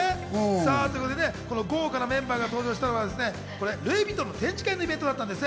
豪華なメンバーが登場したのはルイ・ヴィトンの展示会のイベントだったんです。